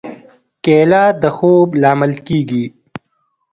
کېله د خوب لامل کېږي.